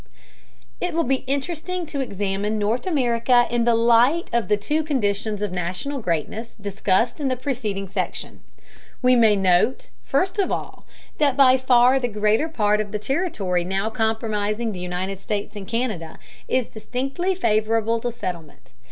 It will be interesting to examine North America in the light of the two conditions of national greatness discussed in the preceding section. We may note, first of all, that by far the greater part of the territory now comprising the United States and Canada is distinctly favorable to settlement.